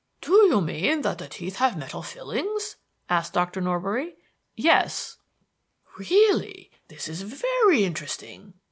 "Do you mean that the teeth have metal fillings?" asked Dr. Norbury. "Yes." "Really! This is very interesting.